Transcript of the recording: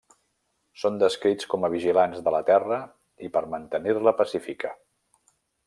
Són descrits com a vigilants de la terra i per mantenir-la pacífica.